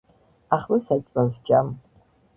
ახლა საჭმელს ვჭამ.